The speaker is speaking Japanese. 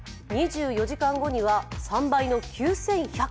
２４時間後には３倍の９１００個。